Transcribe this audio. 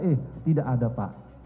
eh tidak ada pak